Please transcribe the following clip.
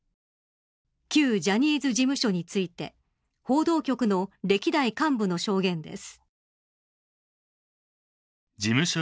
旧ジャニーズ事務所について報道局の歴代幹部の証言です。